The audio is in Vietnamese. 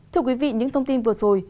thưa quý vị những thông tin vừa rồi